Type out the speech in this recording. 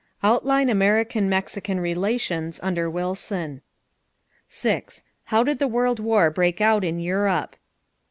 Outline American Mexican relations under Wilson. 6. How did the World War break out in Europe?